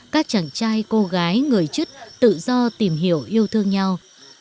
các chàng trai cô gái người chất tự do tìm hiểu yêu thương nhau